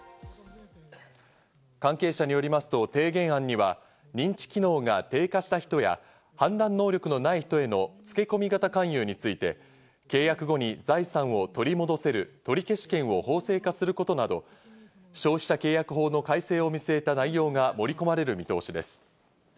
関係者によりますと提言案には、認知機能が低下した人や判断能力のない人へのつけ込み型勧誘について、契約後に財産を取り戻せる取り消し権を法制化することなど消費者契約法の改正を見据えた内容が盛り込まれる見通しです。